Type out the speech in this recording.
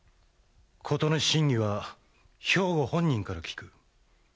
事の真偽は兵庫本人から聞く。